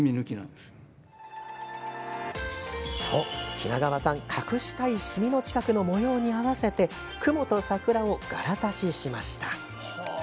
日名川さん、隠したい染みの近くの模様に合わせて雲と桜を柄足ししました。